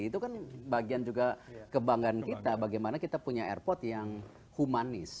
itu kan bagian juga kebanggaan kita bagaimana kita punya airport yang humanis